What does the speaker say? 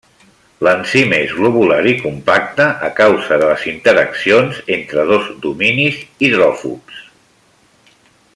L'enzim és globular i compacte a causa de les interaccions entre dos dominis hidròfobs.